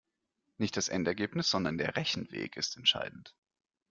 Nicht das Endergebnis, sondern der Rechenweg ist entscheidend.